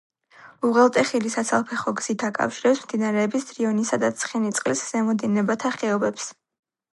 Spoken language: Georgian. უღელტეხილი საცალფეხო გზით აკავშირებს მდინარეების რიონისა და ცხენისწყლის ზემო დინებათა ხეობებს.